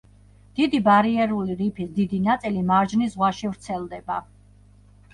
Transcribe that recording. დიდი ბარიერული რიფის დიდი ნაწილი მარჯნის ზღვაში ვრცელდება.